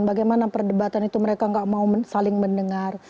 bagaimana perdebatan itu mereka nggak mau saling mendengar